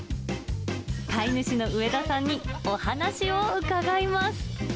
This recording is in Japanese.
飼い主の上田さんにお話を伺います。